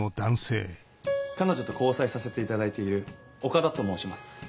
彼女と交際させていただいている岡田と申します。